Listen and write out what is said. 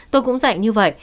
tôi cũng dạy như vậy